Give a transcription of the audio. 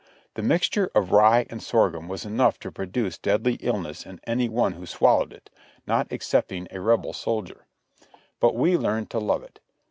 The mixture of rye and sorghum was enough to pro duce deadly illness in any one who swallowed it, not excepting a THE NEXT DAY I47 Rebel soldier. But we learned to love it.